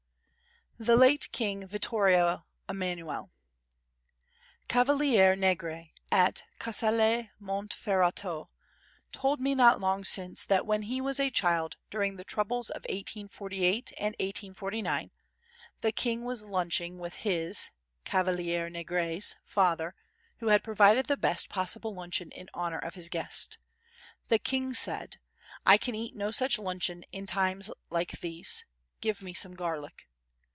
The Late King Vittorio Emanuele Cavaliere Negri, at Casale Monferrato, told me not long since that when he was a child, during the troubles of 1848 and 1849, the King was lunching with his (Cav. Negri's) father who had provided the best possible luncheon in honour of his guest. The King said: "I can eat no such luncheon in times like these—give me some garlic."